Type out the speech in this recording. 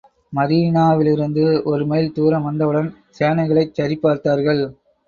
மதீனாவிலிருந்து ஒரு மைல் தூரம் வந்தவுடன், சேனைகளைச் சரி பார்த்தார்கள்.